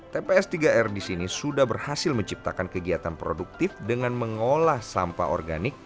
tps tiga r di sini sudah berhasil menciptakan kegiatan produktif dengan mengolah sampah organik